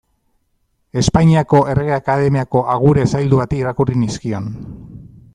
Espainiako Errege Akademiako agure zaildu bati irakurri nizkion.